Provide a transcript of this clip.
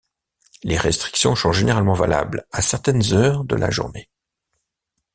Les restrictions sont généralement valables à certaines heures de la journée.